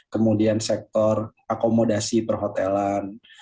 kemudian sektor akomodasi perhotelan